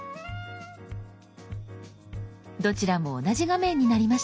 どちらも同じ画面になりました。